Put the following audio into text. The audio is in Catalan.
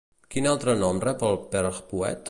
Quin altre nom rep el Pearl Poet?